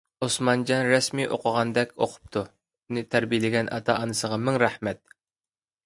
ئوسمانجان رەسمىي ئوقۇغاندەك ئوقۇپتۇ. ئۇنى تەربىيەلىگەن ئاتا-ئانىسىغا مىڭ رەھمەت!